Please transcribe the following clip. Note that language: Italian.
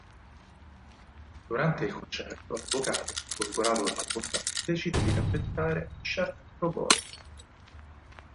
Durante il concerto l'avvocato, folgorato dalla bontà, decide di rappresentare Chef pro bono.